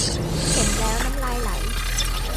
เห็นแล้วน้ำลายไหล